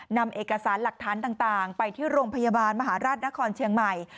นำเอกสารหลักฐานต่างไปที่โรงพยาบาลมหาราชนครเชียงใหม่